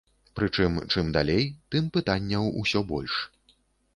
Прычым чым далей, тым пытанняў усё больш.